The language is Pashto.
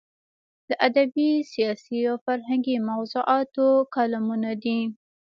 د ادبي، سیاسي او فرهنګي موضوعاتو کالمونه دي.